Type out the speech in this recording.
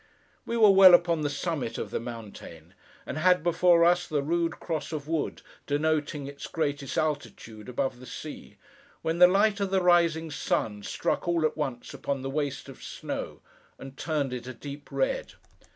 We were well upon the summit of the mountain: and had before us the rude cross of wood, denoting its greatest altitude above the sea: when the light of the rising sun, struck, all at once, upon the waste of snow, and turned it a deep red.